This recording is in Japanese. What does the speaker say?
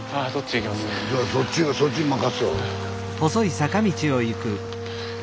いやそっちがそっちに任すわ。